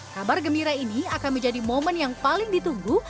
kabar gembira ini akan menjadi momen yang paling ditunggu